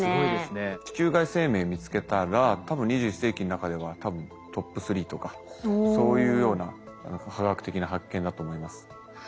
地球外生命見つけたら多分２１世紀の中では多分トップ３とかそういうような科学的な発見だと思います。